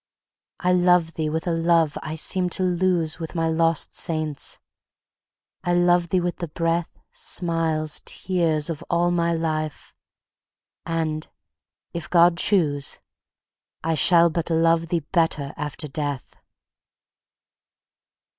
I love thee with a love I seemed to lose With my lost saints,—I love thee with the breath, Smiles, tears, of all my life!—and, if God choose, I shall but love thee better after death.